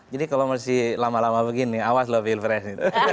jadi kalau masih lama lama begini awas loh pilpres